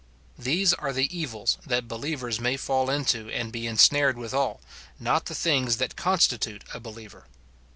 These are the evils that believers may fall into and be ensnared withal, not the things that constitute a believer.